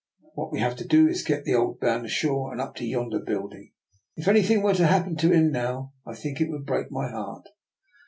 What we have to do is to get the old man ashore and up to yonder building. If anything were to happen to him now, I think it would break my heart."